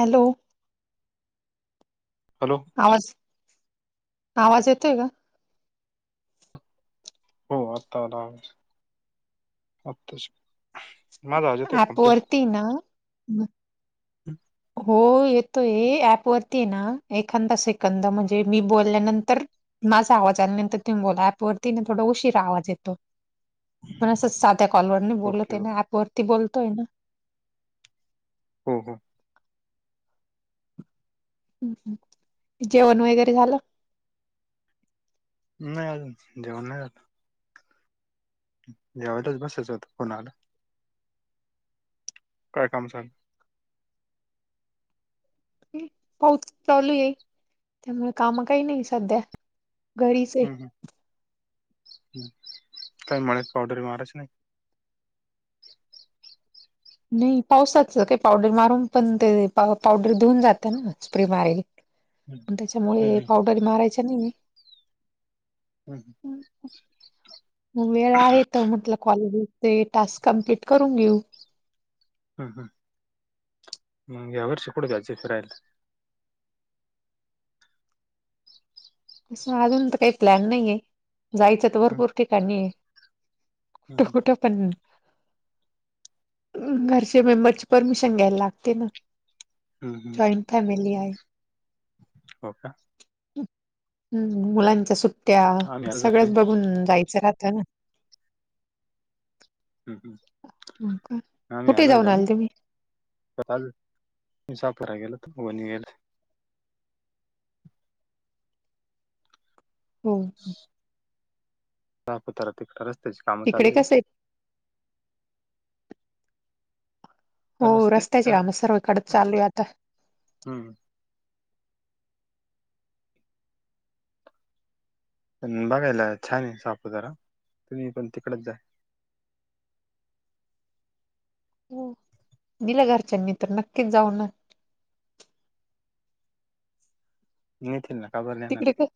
Hello. Hello. आवाज आवाज येतोय का. हो आत्ता आला आवाज. माझा आवाज येतोय कम्प्लीट ऍपवरती ना. [inaudible] हो येतोय ऍप वरती आहे ना एखादा सेकंद म्हणजे मी बोलल्यानंतर. माझा आवाज आल्यानंतर तुम्ही बोला ऍप वरतीने थोडा उशीर आवाज येतो. आपण असं साध्या कॉलवरुने बोलत ओके आहे हो ना ऍप वरती बोलतोय ना. हो हो. जेवण वगैरे झालं. नाही अजून जेवन नाही झालं. जेवायलाच बसायचं होत फोन आला. काय काम चालू आहे. पाहच चालू आहे त्यामुळे काम काही नाही सध्या घरीच आहे. ह काही मळ्यात पावडरी मारायच्या नाही. नाही पावसाच काही पावडर मारून पण ते पावडर धुऊन जातं ना स्प्रे मारल. हम्म आणि त्याच्यामुळे हम्म पावडर मारायचा नाही मी. हं हं. वेळ आहे तर म्हटलं कॉलचे ते टास्क कम्प्लीट करून घेऊ. हम्म हम् मग या वर्षी पुढे जायचं फिरायला. तसं अजून तर काही प्लॅन नाहीय जायचं तर हम्म भरपूर ठिकाणी आहे. कुठ हम्म कुठ पण. घरचे मेंबरची परमिशन घ्यायला लागते ना. हम्म हम्म जॉईंट फॅमिली आहे. हो का. हम् मुलांच्या सुट्या आम्ही आलो जाऊ सगळंच बघून जायचं राहतं ना. हम् हो का? हम् आम्ही कुठे आलोय आले जाऊन. तुम्ही? काल [inaudible] हो. दहापतारा तिकडडे रस्त्याची कामं तिकडे चालली. कसं आहे? हो रस्ते रस्त्याचे तर- कामं सर्व इकडंच चालू आहे आता. हम्म. पण बघायला छान आहे सापुतारा तुम्ही पण तिकडच जा. हो दिलं घरच्यांनी तर नक्कीच जाऊना. नेतील ना काबर नेणार. तिकडे क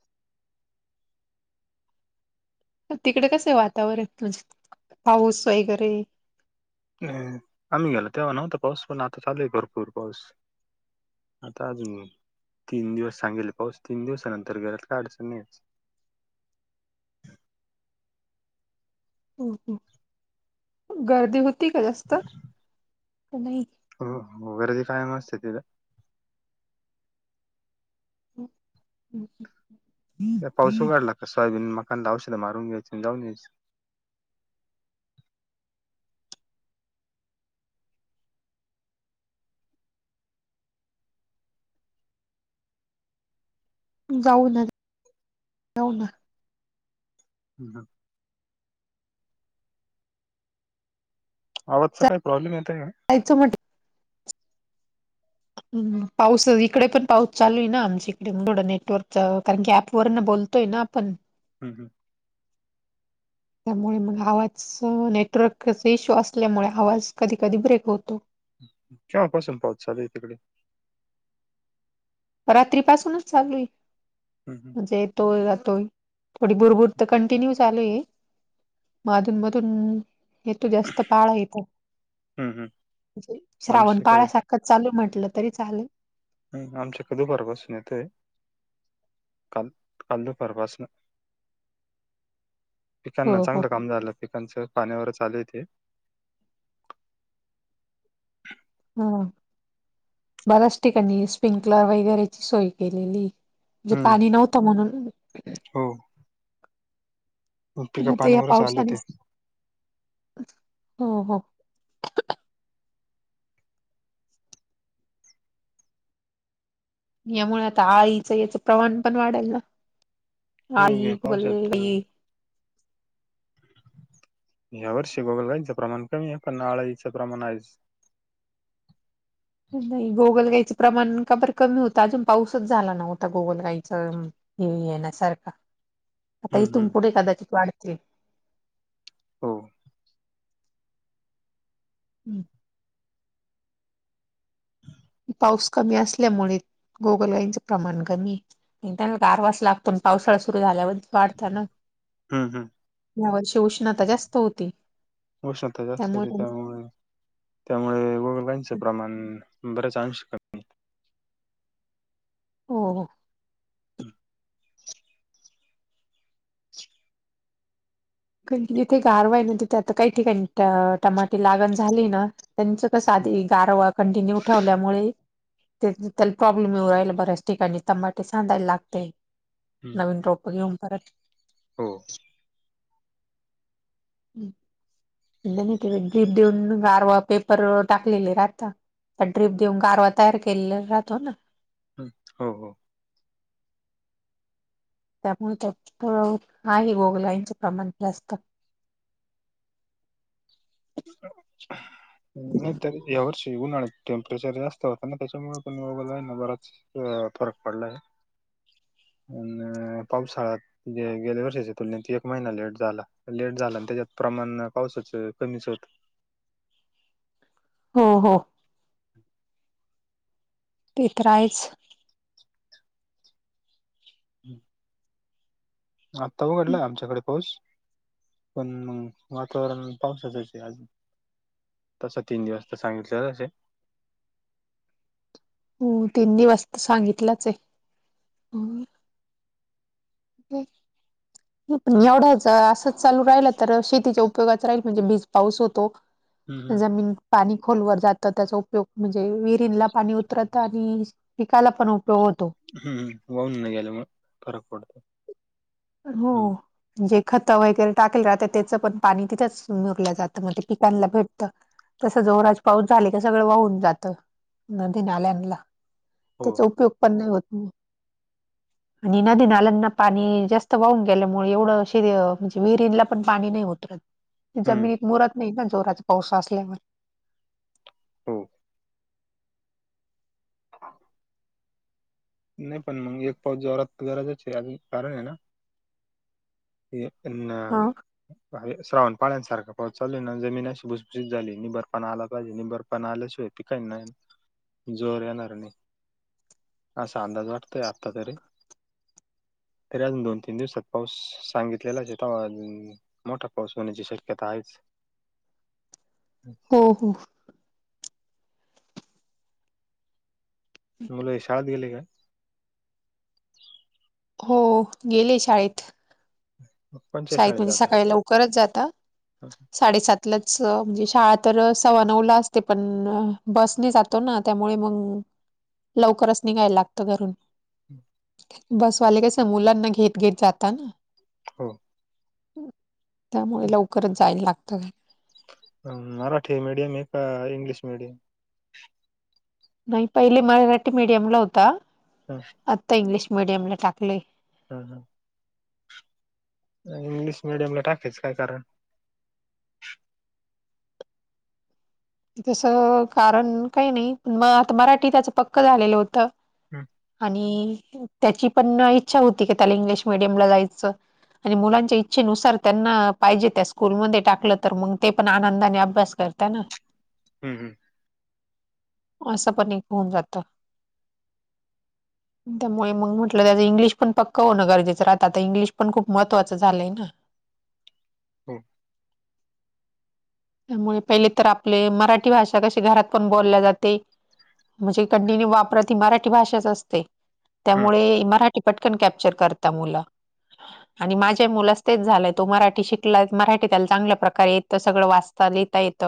तिकडे कसये वातावरण तुज पाऊस वगैरे. अ आम्ही गेलो तेव्हा नव्हता पाऊस पण आता चालूये भरपूर पाऊस. आता अजून तीन दिवस सांगेल ये पाऊस तीन दिवसानंतर घरात काय अडचणीच. हम्म हम्म गर्दी होती का जास्त नाही. हो हो गर्दी कायम असते तिथ. हम्म हम्म हम्म. पाऊस उघडला का सोयाबीन मकांना औषध मारून घ्यायचं आणि जाऊन यायचं. जाऊ ना जाऊ ना. अ हां. आवाजचा काय प्रॉब्लेम येतय का? आईच म्हट हम्म पाऊस इकडे पण पाऊस चालू आहे ना आमच्या इकडे थोडं नेटवर्क कारण की ऍप वरना बोल तो येना आपण. हम्म हम्म. त्यामुळे मग आवाज नेटवर्कचा इश्यू असल्यामुळे आवाज कधी कधी ब्रेक होतो. केव्हा पासून पाऊस चालु आहे तिकडे? रात्री पासूनच चालूये. हम्म हम्म. म्हणजे येतोय जातोय थोडी भुरभुर तर कंटिन्यू चालू आहे. म अधून मधून हीते जास्त पाळा येता येत हम्म, हम्म. म्हणजे श्रावण आमच्याकडे पाळ्या सारख क चालू म्हंटलं तरी चालेल. नाही आमच्याकड दुपार पासून येतोय. काल काल दुपार पासन हो पिकांना हो चांगलं काम झालं पिकांचं पाण्यावर चालुये ते. हा बऱ्याच ठिकाणी स्प्रिंकल वगैरेची सोय केलेली ये म्हणजे हम्म पाणी नव्हतं म्हणून. हो. पिकं म ते या पाण्यावरच आले ते पावसानीच हो हो. यामुळे आता अळीच याच प्रमाण पण वाढेल ना हो अळी या पावसात गोगलगायी या वर्षी गोगलगाईचं प्रमाण कमी आहे पण आळाईचं प्रमाण आहेच. नाही गोगलगाईचं प्रमाण काबर कमी होतं अजून पाऊसच झाला नव्हता गोगलगाईचं हे येण्या सारखा आता हम्म हम्म इथून पुुठे कदाचित वाढतील. हो. हम्म. पाऊस कमी असल्यामुळे गोगलगाईनचं प्रमाण कमी आहे. त्यांना गारवाच लागतो ना पावसाळा सुरू झाल्यावर वाढता ना हम्म हम्म ह्या वर्षी उष्णता जास्त होती. उष्णता जास्त होती त्यामुळे त्यामुळ त्यामुळे गोगलगाईनचं प्रमाण बरेच अंश क हो हो. हम्म. कारण कि जिथे गारवाय ना तिथे आता काही ठिकाणी टमाटे लागण झाले ना त्याचं कसं हम्म आधी गारवा कंटिन्यू ठेवल्यामुळे ते त्याला प्रॉब्लेम येऊ राहिले बऱ्याच ठिकाणी टमाटे साडायला लागतय. हम्म, नवीन रोप घेऊन परत हो. हम्म. [unintelligible] गारवा पेपर टाकलेलाय आता [unintelligible] कारवा तयार केलेला राहतो ना हम्म हो हो. [unintelligible] प्रमाण जास्त मी तर या वर्षी उन्हाळ्यात टेम्परेचर जास्त होत ना तेच्यामुळे पण गोगलगाईना बराच फरक पडलाय. अन पावसाळ्यात गे गेल्या वर्षाच्या तुलनेत एक महिना लेट झाला पण लेट झाला आणि तेच्यात प्रमाण पाऊसचे कमीच होत. हो हो. हम. ते तर आहेच. हम. आत्ता उघडला आमच्याकडे पाऊस पण मग वातावरण पाऊसाचेच हाय आजुन तस तीन जास्त सांगितले [unintelligible] हम्म तीन दिवस त सांगितलंचय हम्म. बरं. पण एवढंचा असंच चालू राहिल तर शेतीच्या उपयोगातच राहील म्हणजे बीज पाऊस होतो. हम्म जमीनीत पाणी खोलवर जातं त्याचा उपयोग म्हणजे विहिरींला पाणी उतरतं आणि पिकाला पण उपयोग होतो. हम्म वाहून न गेल्यामुळ फरक पडतो. हम्म हो. जे खतं वगर‍े टाकलं राहत त्याचं पण पाणी तिथंच मुरलं जातं मग ते पिकांना भेटतं. तसं जोराज पाऊस झाले का सगळं वाहून जातं नदी नाल्यांला हो त्याचा उपयोग पण नाही होत ना आणि नदी नाल्याना पाणी जास्त वाहून गेल्यामुळे एवढं अशी म्हणजे विहिरींला पण पाणी नाही उतरतं हम्म जमिनीत मुरत नाही ना जोराचे पाऊस असल्यामुळे हो. नाही पण मग एक पाऊस जोरात [unintelligible] हे पण हा बाहेर श्रावण पाळ्यांसारखा पाऊस चालूय ना जमीन अशी भुसभुशीत झाली निबरपणा आला पाहिजे निबर पा आल्याशिवाय पिकांयच नाही ना जोवर येणारं नाही. असा अंदाज वाटतोय आत्ता तरी तरी अजून दोन तीन दिवसात पाऊस सांगितलेला [unintelligible] मोठा पाऊस होण्याची शक्यता आहेच. हम्म‌. ‌‍ हो हो. मुलं शाळेत गेली का? हो- गेले शाळेत. कोणच्या शाळेत म्हणजे जाता सकाळी लवकरच जाता साडेसात लाच म्हणजे शाळा तर सव्वा नऊला असते पण- बसने जातो ना त्यामुळे मग लवकरच निघायला लागतं घरून. [inaudible] बस वाले कस मुलांना घेत घेत जाता ना. हो. त्यामुळे लवकरच जायला लागत. अम्म -मराठी मीडियम एका इंग्लिश मीडियम? नाही पहिकी मराठी मीडियमला होता. हम्म. आत्ता इंग्लिश मिडियमला टाकलंय. हा- हा. इंग्लिश मिडियम ला टाकाचय काय कारण? तस कारण काही नाही प म आता मराठी त्याच पक्क झालेलं होत. हं, आणि त्याची पण इच्छा होती की, त्याला इंग्लिश मिडियमला जायचं. आणि मुलांच्या इच्छेनुसार त्यांना पाहिजे त्या स्कूलमध्ये टाकलं तर मग ते पण आनंदाने अभ्यास करता ना. हम् हम्. असं पण एक होऊन जात. त्यामुळे मग म्हटल त्याचं इंग्लिश पक्क होणं गरजेचं राहत-आता इंग्लिश पण खूप महत्वाचं झालंय ना. हो. त्यामुळे पहिले तर आपले मराठी भाषा कशी घरात पण बोलल्या जाते. म्हणजे कंटिन्यू वापरत ही मराठी भाषेच असते, हं, त्यामुळे मराठी ती पटकन कॅप्चर करता मुल. आणि माझ्या मुलास तेच झालंय तो मराठी शिकलाय मराठी त्याला चांगल्या प्रकारे येत सगळं वाच ता लिहिता येत.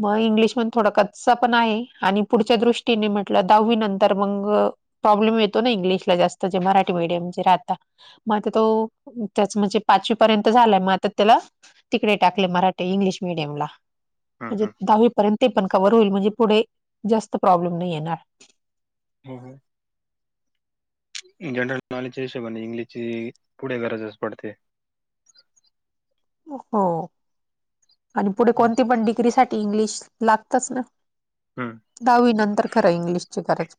मग इंग्लिश पण थोडा कच्चा पण आहे आणि पुढच्या दृष्टीने म्हटलं दहावी नंतर मग प्रॉब्लेम येतो ना इंग्लिश ला जास्त जे मराठी मीडियम जे राहात. म -आता तो त्याच म्हणजे पाचवी पर्यंत झालाय म आता त्याला तिकडे टाकले मराठी इंग्लिश मिडयमला हं, म्हणजे हं, दहावीपर्यंत ते पण कवर होईल म्हणजे पुढे जास्त प्रॉब्लेम नाही येणार. [unintelligible] जनरल नॉलेजच्या हिशोबाने इंग्लिशची पुढे गरजच पडते. हो आणि पुढे हं, कोणती पण डिग्री साठी इंग्लिश लागतच ना. हं. दहावी नंतर खरं इंग्लिशची गरज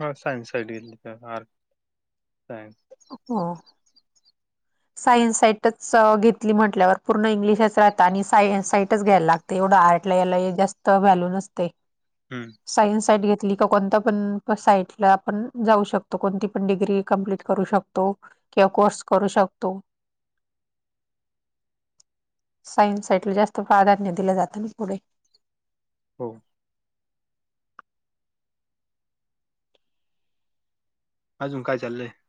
हा सायन्स साईडली आर्ट सायन्स हा. सायन्स साईटच घेतली म्हटल्यावर पूर्ण इंग्लिशच राहात आणि सायन्स साईटच घ्यायला ते एवढ आर्टला याला जास्त व्हॅल्यू नसते. हम्म. सायन्स साईट घेतली का कोणत पण साईटला आपण जाऊ शकतो कोणती पण डिग्री कंप्लीट करू शकतो किंवा कोर्स करू शकतो. सायन्स साईट जास्त प्राधान्य दिलं जातं ना पुढे. हो. अजून काय चाललं आहे.